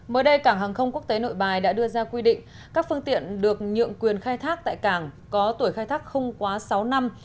mới đây cảng hàng không quốc tế nội bài đã đưa ra quy định các phương tiện được nhượng quyền khai thác tại cảng có tuổi khai thác không quá sáu năm